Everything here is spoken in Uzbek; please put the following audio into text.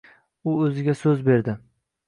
U o`ziga so`z berdi